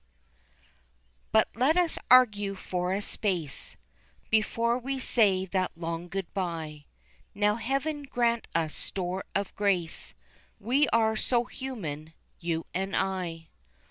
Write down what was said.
But let us argue for a space Before we say that long good bye, Now heaven grant us store of grace, We are so human, you and I.